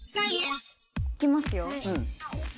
いきますよ。